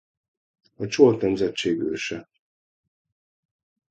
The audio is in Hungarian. A Csolt nemzetség őse.